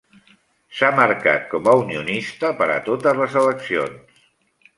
S'ha marcat com a unionista per a totes les eleccions.